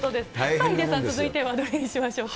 さあ、ヒデさん、続いてはどれにしましょうか。